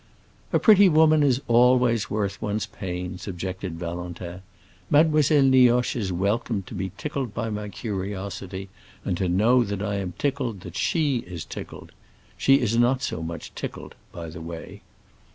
"A pretty woman is always worth one's pains," objected Valentin. "Mademoiselle Nioche is welcome to be tickled by my curiosity, and to know that I am tickled that she is tickled. She is not so much tickled, by the way."